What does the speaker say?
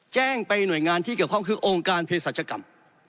แจ้งไปหน่วยงานที่เกี่ยวข้องคือองค์การเพศรัชกรรม